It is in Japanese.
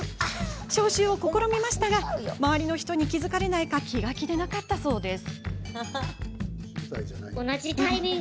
消臭を試みましたが周囲の人に気付かれないか気が気でなかったそうです。